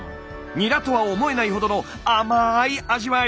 ニラとは思えないほどの甘い味わい。